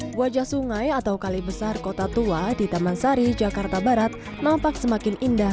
hai wajah sungai atau kali besar kota tua di taman sari jakarta barat nampak semakin indah